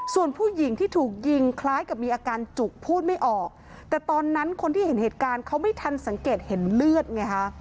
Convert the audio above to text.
ส่วนผู้หญิงที่ถูกยิงคล้ายกับมีอาการจุกพูดไม่ออกแต่ตอนนั้นคนที่เห็นเหตุการณ์เขาไม่ทันสังเกตเห็นเลือดไงฮะ